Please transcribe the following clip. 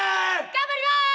頑張ります！